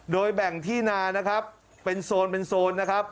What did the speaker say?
โดยแบ่งที่นานะครับเป็นโซนนะครับ